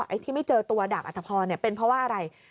อ๋อไอ้ที่ไม่เจอตัวดาบอาทธพรเนี่ยเป็นเพราะว่าอะไร